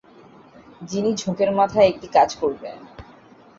যিনি ঝোঁকের মাথায় একটা কাজ করবেন।